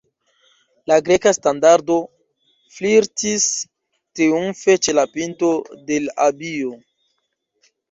La Greka standardo flirtis triumfe ĉe la pinto de l' abio.